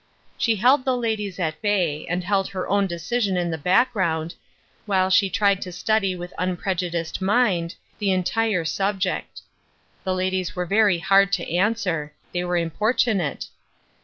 She held the ladies at bay, and held her own decision in the background, while she tried to study with unprejudiced mind, the entire subject. The ladies were very hard to answer ; they were importunate.